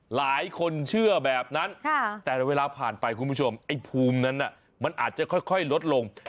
หลายคนเชื่อแบบนั้นแต่เวลาผ่านไปคุณผู้ชมไอ้ภูมินั้นมันอาจจะค่อยลดลง